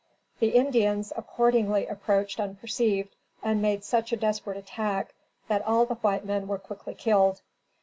The Indians accordingly approached unperceived and made such a desperate attack that all the white men were quickly killed.